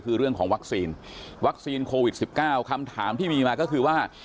คือเรื่องของวัคซีนวัคซีนโควิด๑๙คำถามที่มีมาก็คือว่า